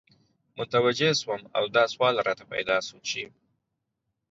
متوجه سوم او دا سوال راته پیدا سو چی